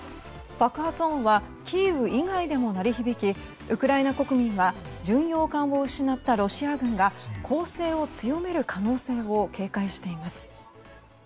爆発音はキーウ以外でも鳴り響きウクライナ国民は巡洋艦を失ったロシア軍が攻勢を強める可能性を警戒しています。